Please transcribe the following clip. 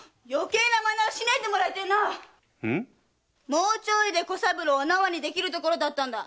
もうちょいで小三郎をお縄にできるところだったんだ。